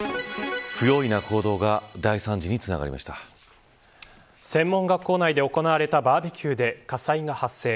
不用意な行動が専門学校内で行われたバーベキューで火災が発生。